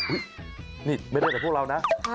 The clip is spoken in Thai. นี่ไม่ได้แต่พวกเรานะ